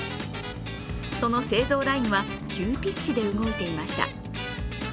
その製造ラインは急ピッチで動いていました。